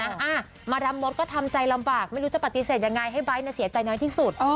อ่ามาดามมดก็ทำใจลำบากไม่รู้จะปฏิเสธยังไงให้ไบท์เสียใจน้อยที่สุด